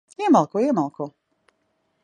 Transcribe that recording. Iemalko. Iemalko.